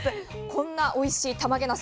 こんなおいしいたまげなす